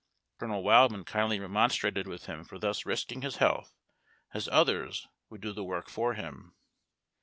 Colonel Wildman kindly remonstrated with him for thus risking his health, as others would do the work for him.